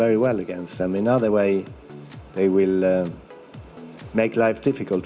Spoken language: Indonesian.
mereka akan membuat hidup kita lebih sulit